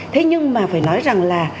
thế nhưng mà phải nói rằng là